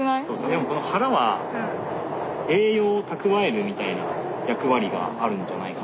でもこの腹は栄養をたくわえるみたいな役割があるんじゃないかな？